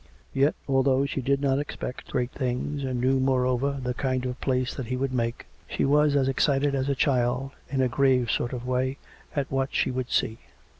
Yet, although she did not expect great things, and knew, moreover, the kind of place that he would make, she was as excited as a child, in a grave sort of way, at what she would see.